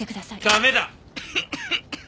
駄目だ！